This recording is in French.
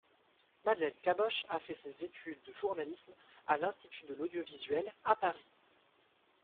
Madeleine Caboche a fait ses études de journalisme à l'Institut de l'Audiovisuel, à Paris.